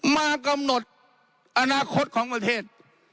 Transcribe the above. มากำหนดอนาคตของประเทศ